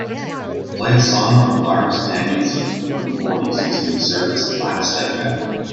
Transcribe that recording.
Play a song from Lars Danielsson from the fourties using the service Last Fm